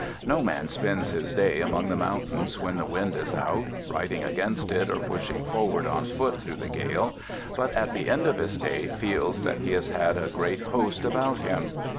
No man spends his day upon the mountains when the wind is out, riding against it or pushing forward on foot through the gale, but at the end of his day feels that he has had a great host about him.